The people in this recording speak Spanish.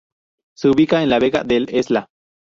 Se ubica en la Vega del Esla.